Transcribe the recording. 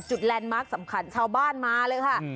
แลนด์มาร์คสำคัญชาวบ้านมาเลยค่ะ